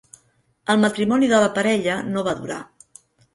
El matrimoni de la parella no va durar.